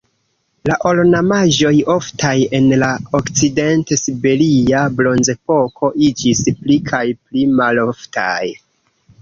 La ornamaĵoj oftaj en la Okcident-Siberia Bronzepoko iĝis pli kaj pli maloftaj.